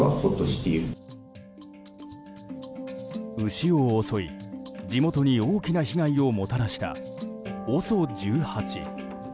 牛を襲い、地元に大きな被害をもたらしたＯＳＯ１８。